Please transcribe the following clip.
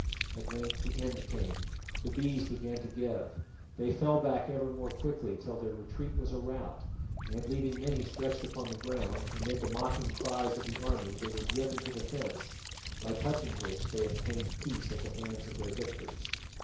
At length the end came; the Bees began to give, they fell back ever more quickly till their retreat was a rout, and, leaving many stretched upon the ground, amid the mocking cries of the army they were driven to the fence, by touching which they obtained peace at the hands of their victors.